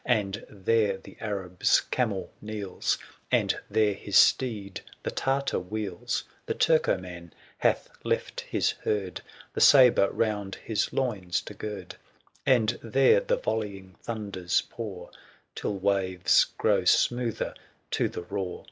9 And there the Arab's camel kneels, And there his steed the Tartar wheels ; The Turcoman hath left his herd\ The sabre round his loins to gird ; And there the volleying thunders pour, 40 Till waves grow smoother to the roar.